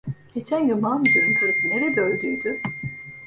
Geçen gün malmüdürünün karısı nerede öldüydü?